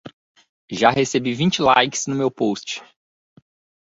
Já recebi vinte likes no meu post